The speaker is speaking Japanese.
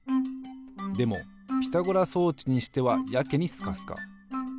でもピタゴラ装置にしてはやけにスカスカ。